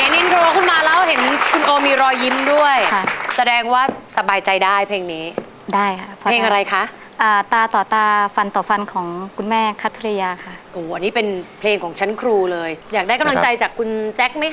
มีความรู้สึกว่าคุณโอมีรอยยิ้มด้วยแสดงว่าสบายใจได้เพลงนี้ได้เพลงอะไรค่ะตาต่อตาฟันต่อฟันของคุณแม่คัทธุรยาค่ะอันนี้เป็นเพลงของชั้นครูเลยอยากได้กำลังใจจากคุณแจ๊ค